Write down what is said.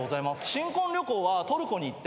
新婚旅行はトルコに行って。